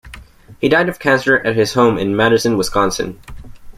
He died of cancer at his home in Madison, Wisconsin.